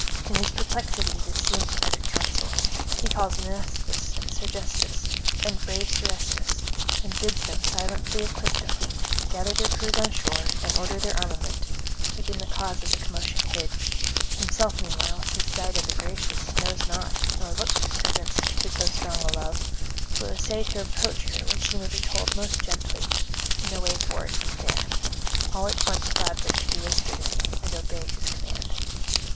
In his perplexity this seemed the better counsel; he calls Mnestheus and Sergestus, and brave Serestus, and bids them silently equip the fleet, gather their crews on shore, and order their armament, keeping the cause of the commotion hid; himself meanwhile, since Dido the gracious knows not nor looks for severance to so strong a love, will essay to approach her when she may be told most gently, and the way for it be fair. All at once gladly do as bidden, and obey his command.